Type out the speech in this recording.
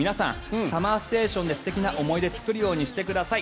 ＳＵＭＭＥＲＳＴＡＴＩＯＮで素敵な思い出を作るようにしてください。